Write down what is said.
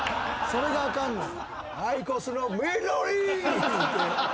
それがあかんねん。